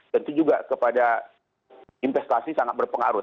dan itu juga kepada investasi sangat berpengaruh